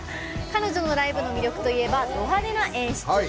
彼女のライブの魅力といえばド派手な演出。